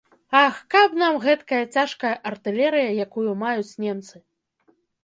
Ах, каб нам гэткая цяжкая артылерыя, якую маюць немцы.